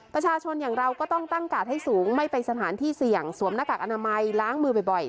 ประชาชนอย่างเราก็ต้องตั้งกาดให้สูงไม่ไปสถานที่เสี่ยงสวมหน้ากากอนามัยล้างมือบ่อย